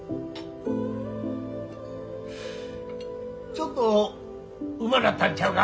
ちょっとうまなったんちゃうか？